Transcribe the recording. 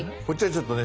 ちょっとね